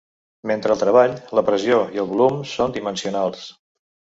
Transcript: Mentre el treball, la pressió i el volum són dimensionals.